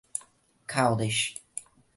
Caldas